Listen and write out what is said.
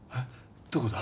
どこだ？